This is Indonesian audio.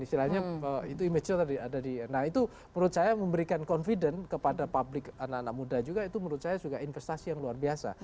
istilahnya itu image nya tadi ada di nah itu menurut saya memberikan confident kepada publik anak anak muda juga itu menurut saya juga investasi yang luar biasa